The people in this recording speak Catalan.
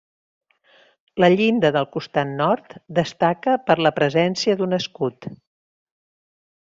La llinda del costat nord destaca per la presència d'un escut.